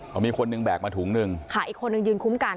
พอมีคนหนึ่งแบกมาถุงหนึ่งค่ะอีกคนนึงยืนคุ้มกัน